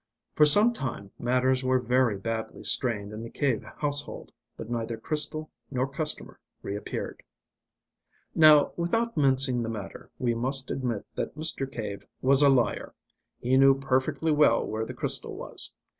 For some time matters were very badly strained in the Cave household, but neither crystal nor customer reappeared. Now, without mincing the matter, we must admit that Mr. Cave was a liar. He knew perfectly well where the crystal was.